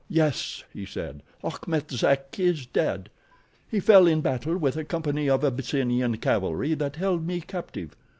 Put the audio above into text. "Yes," he said, "Achmet Zek is dead. He fell in battle with a company of Abyssinian cavalry that held me captive.